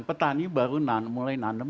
petani baru mulai nanem